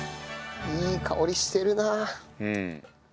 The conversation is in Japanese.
いい香りしてるな。